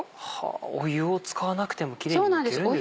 お湯を使わなくてもキレイにむけるんですね。